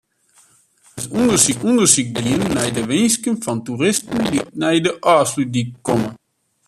Der is ûndersyk dien nei de winsken fan toeristen dy't nei de Ofslútdyk komme.